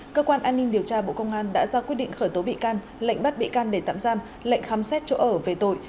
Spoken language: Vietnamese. cơ quan an ninh điều tra bộ công an đã ra quyết định khởi tố bị can lệnh bắt bị can để tạm giam lệnh khám xét chỗ ở về tội